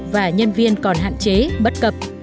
và nhân viên còn hạn chế bất cập